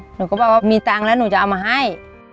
หนูก็บอกว่ามีตังค์แล้วหนูจะเอามาให้